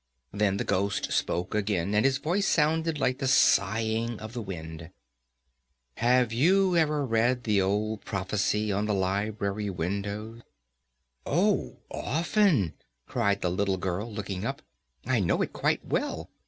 Then the ghost spoke again, and his voice sounded like the sighing of the wind. "Have you ever read the old prophecy on the library window?" "Oh, often," cried the little girl, looking up; "I know it quite well.